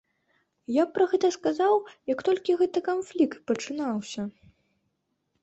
Я пра гэта сказаў, як толькі гэты канфлікт пачынаўся.